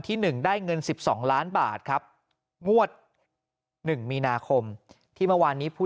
๑ได้เงิน๑๒ล้านบาทครับงวด๑มีนาคมที่เมื่อวานนี้ผู้